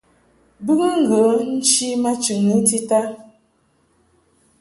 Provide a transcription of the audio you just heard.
Bɨŋɨ ŋgə nchi ma chɨŋni tita.